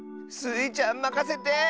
スイちゃんまかせて！